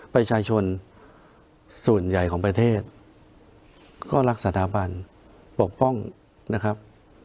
ประชาชนส่วนใหญ่ของประเทศก็รักสถาบันปกป้องนะครับ